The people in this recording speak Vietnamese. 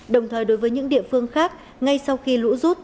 đồng thời đối với những địa phương khác ngay sau khi lũ rút